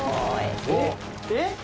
えっ！？